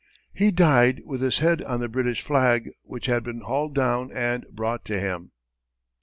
He died with his head on the British flag, which had been hauled down and brought to him.